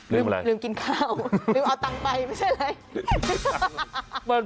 ลืมอะไรลืมกินข้าวลืมเอาตังไปไม่ใช่มั้ย